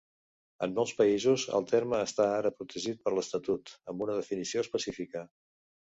En molts països el terme està ara protegit per l'Estatut, amb una definició específica.